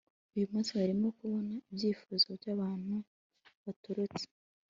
Uyu munsi barimo kubona ibyifuzo byabantu baturutse